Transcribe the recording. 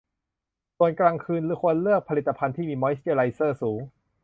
ส่วนกลางคืนควรเลือกผลิตภัณฑ์ที่มีมอยส์เจอไรเซอร์สูง